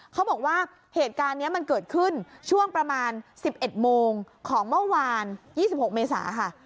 เขาบอกว่าเหตุการณ์นี้มันเกิดขึ้นช่วงประมาณ๑๑โมงของเมื่อวาน๒๖เมษาค่ะ